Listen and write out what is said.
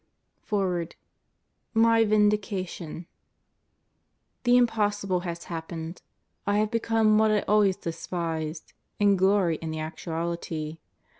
FOREWORD My Vindication THE impossible has happened: I have become what I always despised and glory in the actuality.